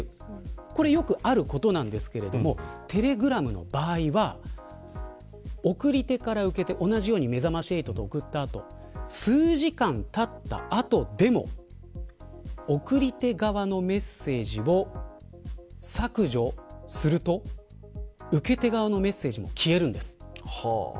これ、よくあることなんですけれどもテレグラムの場合は送り手から、受け手同じようにめざまし８と送った後数時間たった後でも送り手側のメッセージを削除すると受け手側のメッセージも消えるんです。